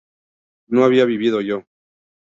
¿no había vivido yo?